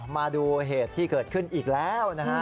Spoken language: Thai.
มาดูเหตุที่เกิดขึ้นอีกแล้วนะฮะ